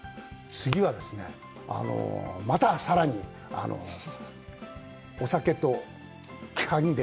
次はですね、またさらにお酒とカニで。